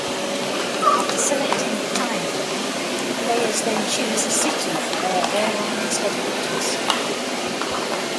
After selecting the timeframe, the players then choose a city for their airline's headquarters.